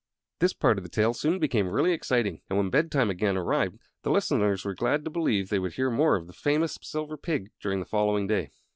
This part of the tale soon became really exciting, and when bedtime again arrived the listeners were glad to believe they would hear more of the famous Silver Pig during the following day.